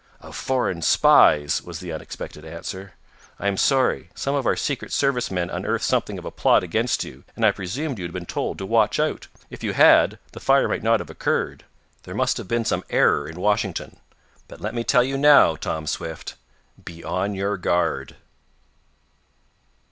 "Of foreign spies!" was the unexpected answer. "I am sorry. Some of our Secret Service men unearthed something of a plot against you, and I presumed you had been told to watch out. If you had, the fire might not have occurred. There must have been some error in Washington. But let me tell you now, Tom Swift be on your guard!"